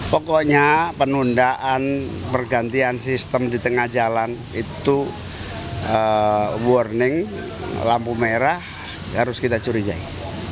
pokoknya penundaan pergantian sistem di tengah jalan itu warning lampu merah harus kita curigai